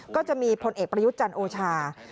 ก็จะมีพลเอกประยุทธ์จันทร์โอชา